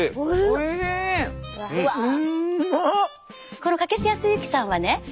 この掛須保之さんはね